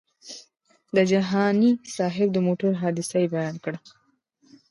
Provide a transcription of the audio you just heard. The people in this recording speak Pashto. د جهاني صاحب د موټر حادثه یې بیان کړه.